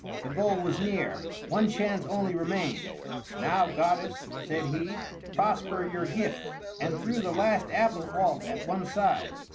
The goal was near; one chance only remained. "Now, goddess," said he, "prosper your gift!" and threw the last apple off at one side.